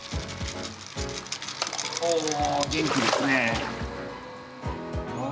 おお、元気ですね。